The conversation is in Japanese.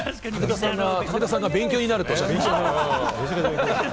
武田さんが勉強になるとおっしゃってました。